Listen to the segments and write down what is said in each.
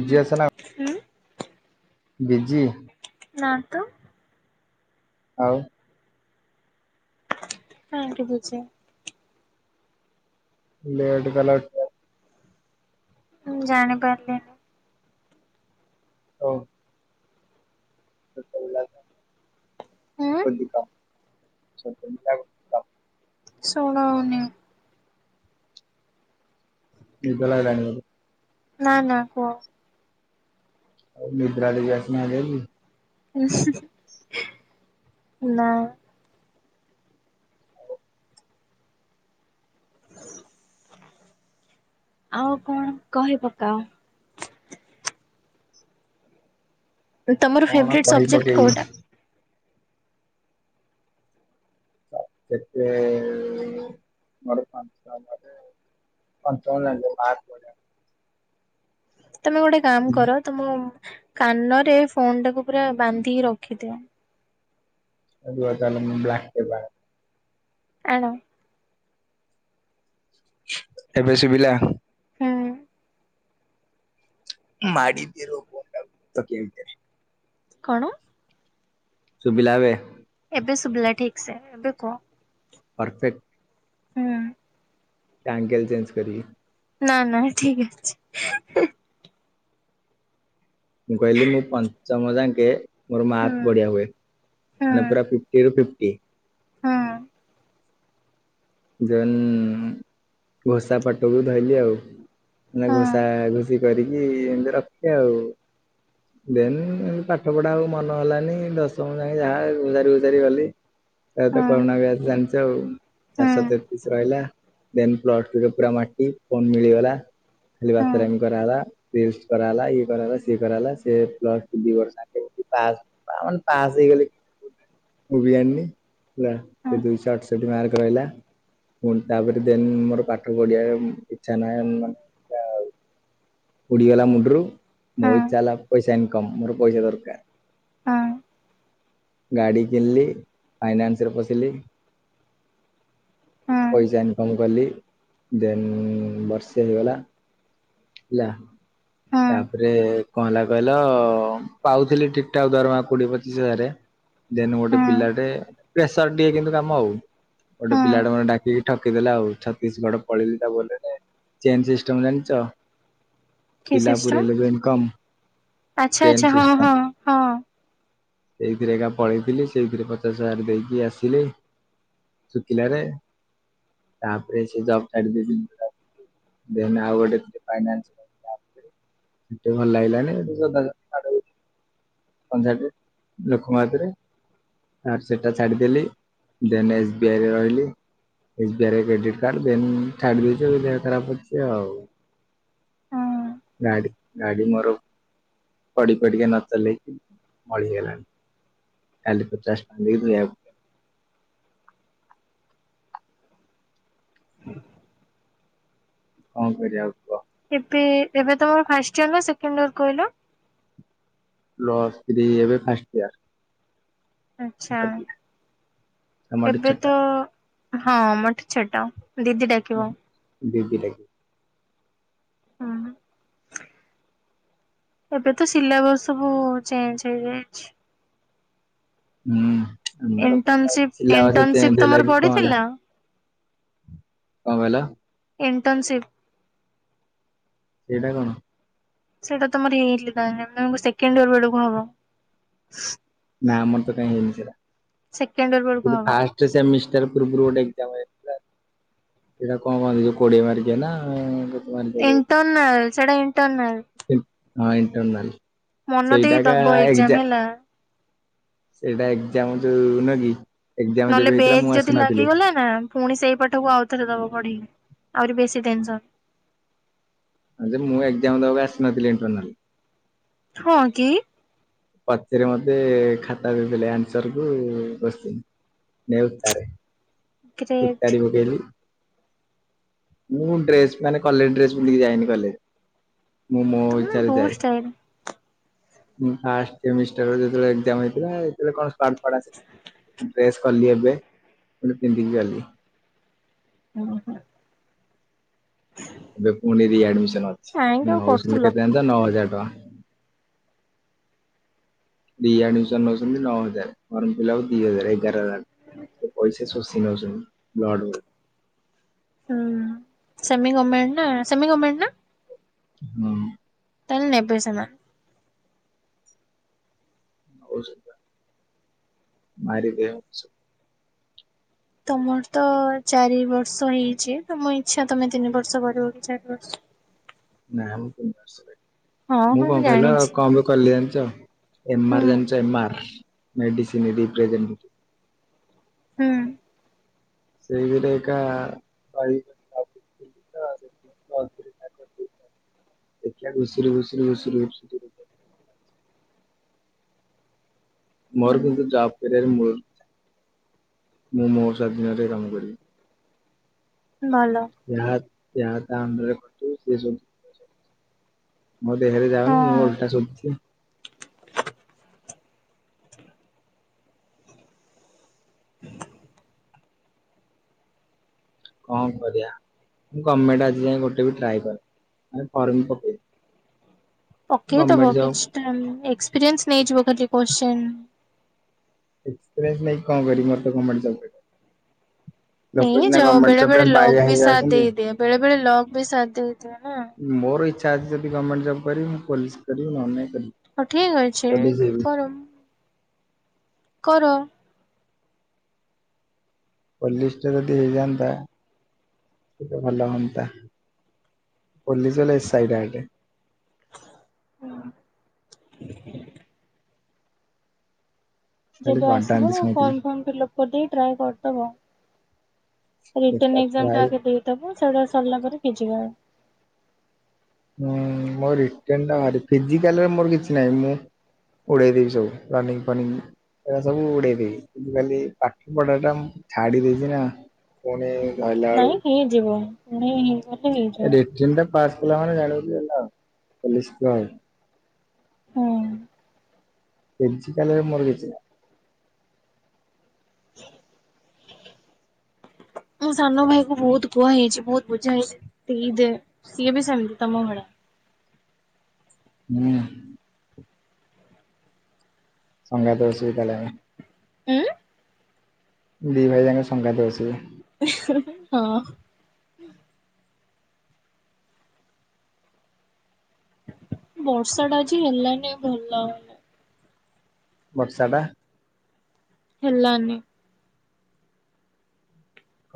Busy ହୁଁ ଅଛ ନା ହୁଁ। ବିଜି? ନାଁ ତ। ଆଉ? କାଇଁକି ବିଜି? ଲେଟ୍ କଲ। ଜାଣି ପାରିଲିନି। ହଉ। [unintelligible] ହୁଁ କନ୍ଦ। [unintelligible] ସୁଣାଉନି। ନିଦ ଲାଗିଲାଣି ବୋଧେ? ନା ନା କୁହ। ନିଦ୍ରା ଟିକେ ଆସିଲାଣି ହାରି। ନା। ଆଉ ଆଉ କଣ କହି ପକାଅ। ତମର କଣ ଫେବରଟ୍ କହି ସବଜେକ୍ଟ ପକେଇବି କୋଉଟା? ସବଜେକ୍ଟ ମୋର। [unintelligible] [unintelligible] ତମେ ଗୋଟେ କାମ ବଢିଆ କର ତମ କାନରେ ଫୋନ୍ ଟାକୁ ପୁରା ବାନ୍ଧିକି ରଖିଦିଅ। ଆ ରୁହ ତାହେଲେ ମୁଁ ବ୍ଲାକଟେପ୍ ଆଣେ। ଆଣ। ଏବେ ଶୁଭିଲା? ହୁଁ ମାଡ଼ିଦିଅ ଫାନ୍ ଟାକୁ ତକିଆ ଭିତରେ। କଣ? ସୁୁଭିିଲା ଏବେ? ଏବେ ସୁୁଭିଲା ଠିକ୍ ସେ। ଏବେ କୁହ। ପରଫେକ୍ଟ। ହୁଁ। ଆଙ୍ଗେଲ ଚେଞ୍ଜ କରିବି। ନା ନା ଠିକ ଅଛି। ମୁଁ କହିଲି ମୁଁ ପଞ୍ଚମ ଯାକେ ମୋର ହୁଁ ମାଥ ବଢିଆ ହୁଏ। ହୁଁ। ମାନେ ପୁରା ଫିଫ୍ଟୀ ରୁ ଫିଫ୍ଟି। ହଁ। ଯେନ୍ ଘୋଷା ପାଠକୁ ଧଇଲି ଆଉ। ମାନେ ହଁ ଘୋଷା ଘୁସି କରିକି ଏମିତି ରଖେ ଆଉ। ଦେନ୍ ଏତି ପାଠ ପଢା ଆଉ ମନ ହେଲାନି। ଦଶମ ଯାକେ ଯାହା ଘୋଷାରି ଘୋଷାରି ଗଲି। ତା ତ କରୋନା ହଁ ବ୍ୟାଚ ଜାଣିଛ ଆଉ। ଚାରିଶହ ତେତିଶ ରହିଲା ଦେନ୍ ପ୍ଲସ ଟୁ ରେ ପୁରା ମାଟି। ଫୋନ୍ ମିଳିଗଲା। ଖାଲି ହଁ ବାତେରମି କରାହେଲା। ଫିଷ୍ଟ କରାହେଲା ଇଏ କରାହେଲା ସିଏ କରାହେଲା। ସେ ପ୍ଲସ ଟୁ ଦି ବର୍ଷ ଯାକ ପାସ୍ ମାନେ ପାସ୍ ହେଇଗଲି। ମୁଁ ବି ଜାଣିନି ହେଲା। ହଁ। ଏ ଦୁଇଶହ ଅଡସଠି ମାର୍କ। ରହିଲା ପୁଣୀ ତାପରେ ଦେନ ମୋର ପାଠ ପଢିବା ଇଚ୍ଛା ନା। [unintelligible] ହଉ। ପଡିଗଲା ମୁଣ୍ଡରୁ କି ମୋ ଇଛା ହେଲା ପଇସା ଇନକମ୍ ମୋର ପଇସା ଦରକାର। ହଁ। ଗାଡି କିଣିଲି ଫାଇନାନ୍ସ ରେ ପଶିଲି। ପଇସା ଇନକମ କଲି ଦେନ୍ ବର୍ଷେ ହେଇଗଲା। ନା। ତାପରେ କଣଲା କହିଲ ପାଉଥିଲି ଠିକଠାକ୍ ଦରମା କୋଡ଼ିଏ ପଚିଶ ହଜାର ଦେନ ଗୋଟେ ପିଲାଟେ ପ୍ରେସର ଟ କିନ୍ତୁ କାମ ଆଉ ଗୋଟେ ପିଲାଟେ ମାନେ ଡାକିକି ଠିଦ ଦେଲେ ଆଉ ଛତିଶଗଡ ପଳେଇିଲି ତା ଚେନ୍ ସିଷ୍ଟମ ଜାଣିଛ ପିଲା ପୁରେଇଲେ ଇନକମ। ଆଛା ଆଛା ହଁ ହଁ ହଁ। ସେଇଥିରେ ଏକା ପଳେଇଥିଲି ସେଇଥିରେ ପଚାଶ ହଜାର ଦେଇକି ଆସିଲି। ସୁକିଲା ରେ ତାପରେ ସେ ଜବ ଛାଡ଼ିଦେଲି। [unintelligible] [unintelligible] ଭଲ ଲାଗିଲାନି। ସନ୍ଧ୍ୟା ଲୋକମତରେ ଆର୍ ସେଟା ଛାଡିଦେଲି ଦେନ ଏସ ବି ଆଇ ରେ ରହିଲି। S B I credit card then ଛାଡି ଦେଇଛ ଦେହ ଖରାପ ଅଛି ଆଉ ହଁ। ଗାଡ଼ି ଗାଡ଼ି ମୋର ପଡ଼ି ପଡ଼ିକେ ନ ଚଲ [unintelligible] ହ କଣ କରିବା ଆଉ କୁହ? ଏବେ ଏବେ ତମର ଫାଷ୍ଟ ଇୟର ନା ସେଣ୍ଡ ଇର କହିଲ? ପ୍ଲସ ଥ୍ରୀ ଏବେ ଫାର୍ଷ୍ଟ ଇୟର। ଆଚ୍ଛା ଛୋଟ ପିଲା ତମଠୁ ଏବେ ଛୋଟ ତ ହଁ ମୋଠୁ ଛୋଟ ଦିଦି ଡାକିବ। ଦିଦି ଡା [inaudible] ଏବେ ତ ସିଲାବସ ସବୁ ଚେଞ୍ଜ ହେଇଯାଇଛି। ହୁଁ ଆମର ଇଣ୍ଟର୍ନସିପ ସିଲାବସ ଇଣ୍ଟର୍ନସିପ ଚେଞ୍ଜ ହେଲା ତମର କି କଣ ପଡିଥିଲା? ହେଲା କଣ କହିଲ? ଇଣ୍ଟର୍ଣ୍ନଶସିପ୍ [unintelligible] ସେଇଟା କଣ? ସେଇଟା ତମର ହେଇ ସେକେଣ୍ଡ ଇଅର ବେଳକୁ ହବ। [unintelligible] ନା ଆମର ତ କାଇଁ ହେଇନି ସେଟା ସେକେଣ୍ଡ ଇୟର ବେଳକୁ କିନ୍ତୁ ହବ ଫାଷ୍ଟ ସେମି ପୂର୍ବରୁ ଗୋଟେ ଏଯାମ ଯାଇଥିଲା ସେଟା କଣ କହନ୍ତି ଯୋଉ କୋଡିଏ ମାରକିଆନା ଇଣ୍ଟର୍ନଲ, ସେଇଟା ଇଣ୍ଟର୍ନଲ । ହଁ ଇଣ୍ଟରନାଲ୍‌, ସେଇଟାକ ଦବ ଏକ୍ଜାମ ଏଗଜା ହେଲା। ସେଇଟା ଏକ୍ଜାମ ଯୋଉ ନୁକି ନହେଲେ ବେଗ ଯଦି ଲାଗିଗଲା ନା, ପୁଣି ସେଇ ପାଠକୁ ଆଉ ଥରେ ଦବ ପଢି ଆହୁରି ବେଶି ଟେନ୍‌ସନ ମୁଁ ଏଜାମ ଦବାକୁ ଆସିନଥିଲି ଇଣ୍ଟରନାଲ । ହଁ କି ପଛରେ ମତେ ଖାତା ଦେଇଦେଲେ ଆନ୍ସର କୁ କ୍ଯୁଶ୍ଚିନ। ନାଇ ଉତାରେ ଗ୍ରେଟ୍ ଉତାରି ପକେଇଲୁ। ମୁଁ ଡ୍ରେସ ମାନେ କଲେଜ ଡ୍ରେସ ପିନ୍ଧିକି ଯାଇନି କଲେଜ। ମୋ ମୋ ତମେ ଇଚ୍ଛା ରେ ବହୁତ ଯାଏ। ଷ୍ଟାଇଲ। ଯେତେବେଳେ ହେଇଥିଲା, ସେ ଡ୍ରେସ୍ କଲି ଏବେ, ପୁଣି ପିନ୍ଧିକି ଗଲି । ହୁଁ ହୁଁ । ଏବେ ପୁଣି ରିଆଡମିସନ ଅଛି, କାହିଁକି ଆଉ ନଶହ କରୁଥିଲ କେତେତା ନଅ ହଜାର [unintelligible] ରି ଆଡମିଶନ ନଉଛନ୍ତି ନଅ ହଜାର, ଫର୍ମଫିଲପ ଦି ହଜାର, ଏଗାର ହଜାର ପଇସା ସବୁ ସିଏ ନେଉଛନ୍ତି ବ୍ଲଡ଼ ରେ। ହୁଁ ସେମୀ ଗର୍ମେଣ୍ଟ ନା ସେମୀ ଗର୍ମେଣ୍ଟ ନା? ହଁ। ତାହେଲେ ନେବେ ସେମାନେ। ମାରି ଦେବେ ସବୁ [unintelligible] ତମର ତ ଚାରି ବର୍ଷ ହେଇଛି ତମ ଇଚଛା ତମେ ତିନି ବର୍ଷ କରିବ କି ଚାରି ବର୍ଷ। ନାଇଁ ମୁଁ ତିନି ବର୍ଷ ହଁ କରିବି ମୁଁ ହଁ କଣ କହିଲ ଜାଣିଛି କଣ ପାଇଁ କଲି ଏମ ହୁଁ ଆର ଜାଣିଛ ଏମ ଆର ମେଡିସିନ ରେପ୍ରେଜେଣ୍ଟେଟିଭ୍? ହୁଁ। ସେଇଥିରେ ଏକା ପାଇବି ବୋଲି ଭାବୁଛି। [unintelligible] ଦେଖିବା ଘୁସୁରି ଘୁଷୁରି- [unintelligible] ହୁଁ ମୋର କିନ୍ତୁ ଯବ ଟେ ତାହାହେଲା ମୁଁ, ମୁଁ ମୋ ସ୍ୱାଧୀନରେ କାମ କରିବି। ଭଲ ଏହା ଏହା ତା ଅଣ୍ଡରେ କରିଥିବୁ ସିଏ ସବୁ [unintelligible] ମୋ ଦେହରେ ଯାଉନି ମୁଁ ହଁ। ଓଲଟା ଶୁଧୁଥିଲି। କଣ କରିୟା। ମୁଁ ଗୋର୍ମେଣ୍ଟ ଆଜି ଯାଇ ଗୋଟେ ବି ଟ୍ରାଏ କରିନି ମାନେ ଫର୍ମ ବି ପକେଇନି। ପକେଇଦବ କିଛିଟା ଏକ୍ସପିରିଏନ୍ସ ନେଇଯିବ ଖାଲି କ୍ୱେସ୍ଚନ୍ ଏକ୍ସପିରିଏନ୍ସ ନେଇକି କଣ କରିବି ମୋତେ ତ ଗୋର୍ମେଣ୍ଟ ଜୋବ ରେ ନେଇ ଯାଅ ବେଳେ ବେଳେ ବାୟା ଲକ୍ ବି ସାଥ ହେଇଯାଉଛନ୍ତି। ଦେଇଦିଏ ବେଳେ ବେଳେ ଲକ୍ ବି ସାଥ ଦେଇଦିଏ ନା। କାଶ ଯଦି ଗମେଣ୍ଟ ଜବ କରିବ ମୁ ପୋଲିସ କରିବି ନହେଲେ ନାଇଁ। କରିବି ହଉ ଠିକ ଅଛି ପୋଲିସ ହେବି। କର। କର। ପୋଲିଷ୍ଟା ଯଦି ହେଇଯାଆନ୍ତା ସେଟା ଭଲ ହନ୍ତା। ପୋଲିସ ବଲେ ଏସ୍‌ଆଇ ଡାଇରେଟ। ହଁ। ଖାଲି ଯେବେ ଆସିବ ବାଡାନ୍ତି ଫର୍ମ ଶୁଣିଥିଲି। ଫର୍ମ ଫିଲଅପ କରିଦେଇ ଟ୍ରାଏ କରିଦବ। ଦେଖିଆ ରିଟନ୍ଏକ୍ଜାମ୍ ଟା ଟ୍ରାଏ ଆଗେ ଦେଇଦବ ସେଇଟା ସରିଲା ପରେ ପିଜି କରିବ। ହୁଁ ମୋର ରିଟେନ୍ ଟା ଫିଜିକାଲ୍‌ରେ ମୋର କିଛି ନାହିଁ ମୁଁ ଉଡ଼େଇ ଦେବି ସବୁ ରନିଙ୍ଗ ଫନିଙ୍ଗ। ଏରା ସବୁ ଉଡେଇ ଦେବି ଫିଜିକାଲି ପାଠ ପଢାଟା ମୁଁ ଛାଡି ଦେଇଛି ନା। ପୁଣି ଧଇଲା ବେଳକୁ ନାଇଁ ହେଇଯିବ [inaudible] ହେଇଯିବ। ରିଟେନ ଟା ପାସ୍ କଲା ମାନେ ଜାଣିବୁ ଯେ ହେଲା ପୋଲିସ ପାଇଁ। ହୁଁ। ଫିଜିକାଲ୍‌ରେ ମୋର କିଛି ନାହିଁ। ମୋ ସାନ ଭାଇକୁ ବହୁତ କୁହା ହେଇଚି ବହୁତ ବୁଝା ହେଇଚି ଫି ଦେ ଯେ ସିଏ ବି ସେମିତି ତମ ଭଳା ହୁଁ। ସଙ୍ଗାତେ ବସିବୁ ତାହାଲେ ଆମେ। ଉଁ? ଦି ଭାଇ ଯାଙ୍କେ ସଙ୍ଗାତେ ବସିବୁ। ଇଁହିଁ ହଁ। ବର୍ଷା ଟା ଆଜି ହେଲାନେଇ ଭଲ। ବର୍ଷା ଟା। ହେଲାନି।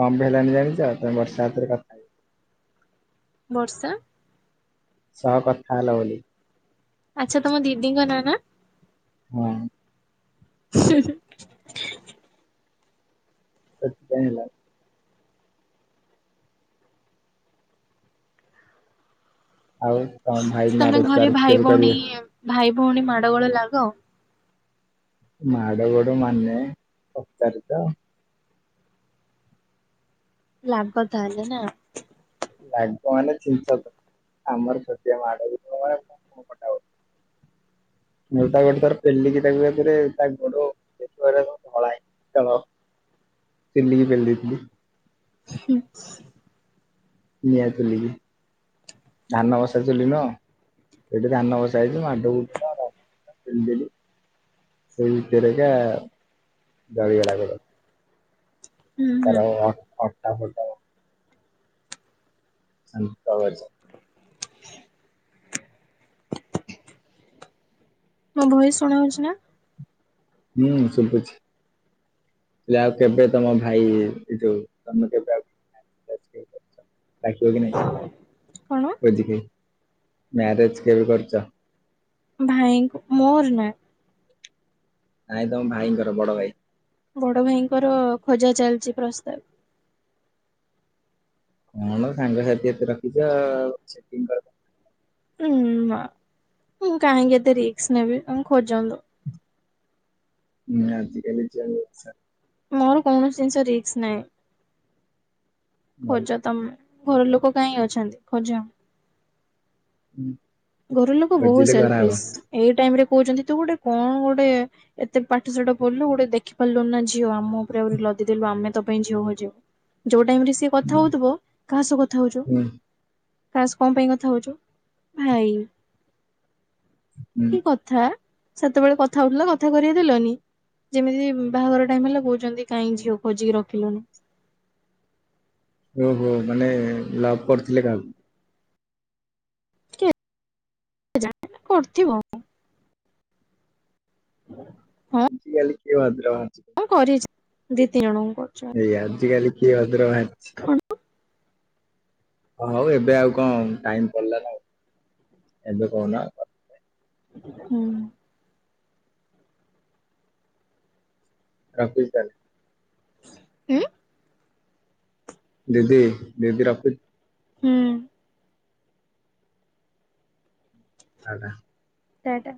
କଣ ପେଇଁ ହେଲାନି ଜାଣିଛ ତମେ ବର୍ଷାା ହାତରେ କଥା ହେଇଜା। ବର୍ଷା? ସହ କଥା ହେଲ ବୋଲି । ଆଚ୍ଛା ତମ ଦିଦିଙ୍କ ନାଁ ନା? ହଁ। ହୁଁ ହୁଁ। ସେଇଥି ପାଇଁ ହେଲା। ଆଉ ତମ ଭାଇ ତମେ ମ୍ୟାରେଜ ଘରେ ଫ୍ୟାରେଜ ଭାଇ କେବେ ଭଉଣୀ କରିବେ? ଭାଇ ଭଉଣୀ ମାଡ ଗୋଳ ଲାଗ? ମାଡ଼ ଗୋଡ଼ ମାନେ ପଚାରୁଚ। ଲାଗ ତା ହେଲେ ନା। ଲାଗ ମାନେ ଛୀନ ଛତର। ଆମର ଛୋଟିଆ ମାଡ ବି ଯଉ ଭଳିଆ ମୁଣ୍ଡ ଫଟା ଫଟି। ମୁ ତ ଗୋଟେ ଥରେ ପେଲିକି ତାକୁଏକାଥରେ ତା ଗୋଡ [inaudible] ଫେଲିକି ପେଲି ଦେଇଥିଲି। ହୁଁ। ନିଆ ଚୁଲିକି । ଧାନ ବସା ଚୁଲି ନୁହଁ ସେଠି ଧାନ ବସା ହେଇଛି ମାଡ ଗୁ ପେଲିଦେଲି। ସେଇ ଭିତରେଏକା ଜଳୀ ଗଲା ଗୋଡ। ହୁଁ ହୁଁ ତାର ଅଣ୍ଟା ଫଟା ଶାନ୍ତ। [unintelligible] ମୋ ଭଏସ ଶୁଣା ଯାଉଛି ନା। ହୁଁ ସୁବୁଛି। ହେଲେ ଆଉ କେବେ ତମ ଭାଇ ଏ ଯୋଉ ତମେ କେବେ ଆଉ ଡ଼ାକିବ କି ନାହିଁ। କଣ? ଭୁଜିକି ମ୍ୟାରେଜ କେବେ କରୁଛ? ଭାଇଙ୍କୁ ମୋର ନା। ନାଇ ତମ ଭାଇଙ୍କର ବଡ ଭାଇ। ବଡ ଭାଇଙ୍କର ଖୋଜା ଚାଲିଛି ପ୍ରସ୍ତାବ। କଣ ସାଙ୍ଗସାଥି ଏତେ ରଖିଛ ଆଉ ସେଟିଙ୍ଗ କରି ହୁଁ ନା ମୁଁ କାହିଁକି ଏତେ ରିକସ ନେବି ଉଁ ଖୋଜନ୍ତୁ। ହୁଁ ଆଜିିକାଲି ଯେମିତି ଚାଲି ମୋର କୌଣସି ଜିନିଷ ରିକ୍ସ ନାହିଁ। ଭଲ ଖୋଜ ତମ ଘର ଲୋକ କାହିଁ ଅଛନ୍ତି ଖୋଜ। ଘର ଲୋକ ବହୁତ ଖୋଜିଲେ କରାହବ। ସେଲଫିସ ଏଇ ଟାଇମରେ କହୁଛନ୍ତି ତୁ ଗୋଟେ କଣ ଗୋଟେ ଏତେ ପାଠଶାଠ ପଢିଲୁ ଗୋଟେ ଦେଖି ପାରିଲୁ ନା ଝିଅ ଆମ ଉପରେ ଆହୁରି ଦେଲୁ ଆମେ ତ ପାଇଁ ଝିଅ ଖୋଜିବୁ। ଯୋଉ ଟାଇମରେ ସେ କଥା ହଉଥିବ କାହା ସହ କଥା ହଉଛୁ। ହୁଁ କାଶ କଣ ପାଇଁ କଥା ହଉଛୁ ଭାଇ ହୁଁ କି କଥା। ସେତେବେଳେ କଥା ହଉଥିଲା କଥା କରେଇ ଦେଲନି। ଯେମିତି ବାହାଘର ଟାଇମ ହେଲା କହୁଛନ୍ତି କାହିଁ ଝିଅ ଖୋଜିକି ରଖିଲୁନି। ଓହୋ ମାନେ ଲଭ କରୁଥିଲେ କାହାକୁ? କେଜାଣି କରିଥିବ। ହୁଁ। ଆଜି କାଲି କିଏ ଭଦ୍ର ବାହାରୁଚି। ଦିଦି ଜଣକୁ। ଏଇ ଆଜି କାଲି କେହି ଭଦ୍ର ନାହାନ୍ତି କଣ ହଁ ହଉ ଏବେ ଆଉ କଣ ଟାଇମ ପଳେଇଲା ନା କଣ ଏବେ କହୁନ। ହୁଁ। ରଖୁଚି ତା ହେଲେ। ହୁଁ । ଦିଦି ଦିଦି ରଖୁଚି। ହୁଁ। ଆଦା। ଟା-ଟା।